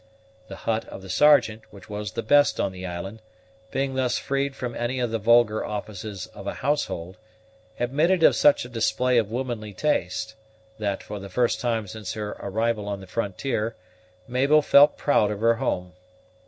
The hut of the Sergeant, which was the best on the island, being thus freed from any of the vulgar offices of a household, admitted of such a display of womanly taste, that, for the first time since her arrival on the frontier, Mabel felt proud of her home.